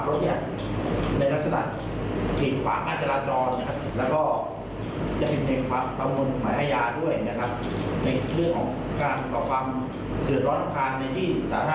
เพราะน่าจะมีจัดกระจอดทั้งหมดซึ่งการขับรถเนี่ย